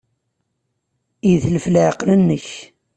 Yetlef leɛqel-nnek.